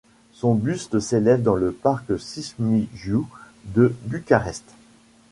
Son buste s'élève dans le parc Cișmigiu de Bucarest.